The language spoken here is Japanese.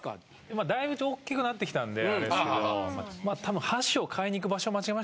まあだいぶと大きくなってきたんであれですけど。